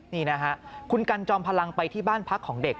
นี่นะฮะคุณกันจอมพลังไปที่บ้านพักของเด็ก